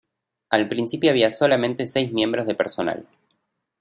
Al principio había solamente seis miembros de personal.